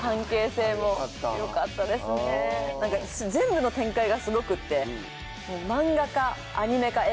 何か全部の展開がすごくって。